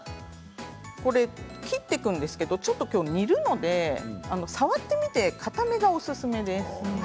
切っていくんですけれどもきょう、煮るので触ってみてかためがおすすめです。